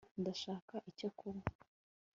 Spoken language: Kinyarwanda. ndashaka icyo kunywa